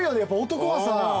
男はさ。